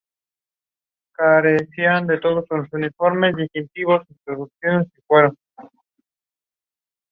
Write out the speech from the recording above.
The district spans northern Madison County and southern Dallas County.